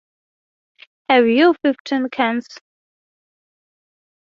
Have you fifteen cans?